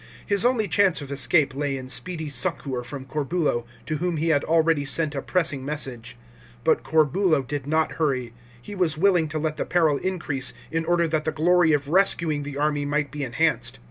His only chance of escape lay in speedy succour from Corbulo, to whom he had already sent a piessing message. But Corbulo did not hurry ; he was willing to let the peril increase, in order that the glory of rescuing the army might be enhanced.